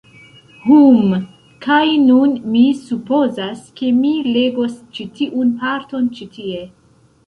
Hum, kaj nun mi supozas ke mi legos ĉi tiun parton ĉi tie